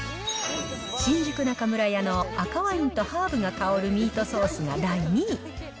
新宿中村屋の赤ワインとハーブが香るミートソースが第２位。